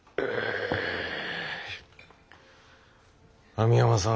網浜さん